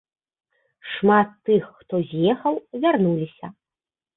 Шмат тых, хто з'ехаў, вярнуліся.